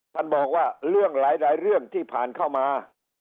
ท่านบอกว่าเรื่องหลายเรื่องที่ผ่านเข้ามา